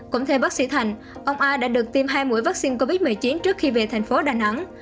cũng theo bác sĩ thạnh ông a đã được tiêm hai mũi vắc xin covid một mươi chín trước khi về thành phố đà nẵng